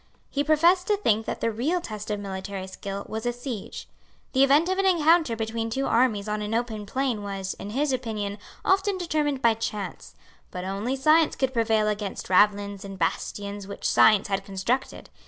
He professed to think that the real test of military skill was a siege. The event of an encounter between two armies on an open plain was, in his opinion, often determined by chance; but only science could prevail against ravelins and bastions which science had constructed.